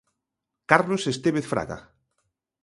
Carlos Estévez Fraga.